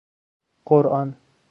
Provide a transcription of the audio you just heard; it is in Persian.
قرآن